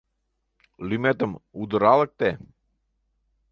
— Лӱметым удыралыкте.